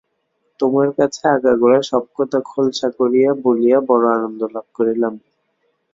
তোমার কাছে আগাগোড়া সব কথা খোলসা করিয়া বলিয়া বড়ো আনন্দ লাভ করিলাম।